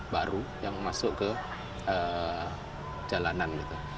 baru yang masuk ke jalanan